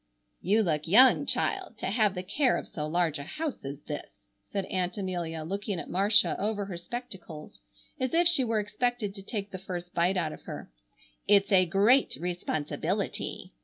"You look young, child, to have the care of so large a house as this," said Aunt Amelia, looking at Marcia over her spectacles as if she were expected to take the first bite out of her. "It's a great responsibility!"